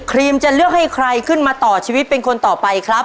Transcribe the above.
ครีมจะเลือกให้ใครขึ้นมาต่อชีวิตเป็นคนต่อไปครับ